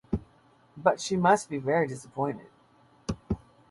But she must be very disappointed.